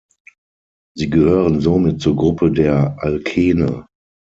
Sie gehören somit zur Gruppe der Alkene.